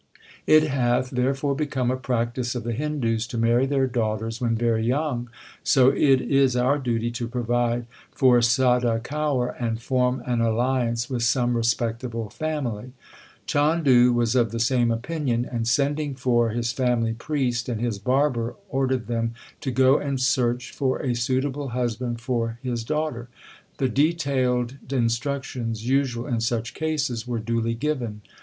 It hath there fore become a practice of the Hindus to marry their daughters when very young, so it is our duty to provide for Sada Kaur, and form an alliance with some respectable family/ Chandu was of the same opinion, and sending for his family priest and his barber l ordered them to go and search for a suitable husband for his daughter. The detailed instructions usual in such cases were duly given.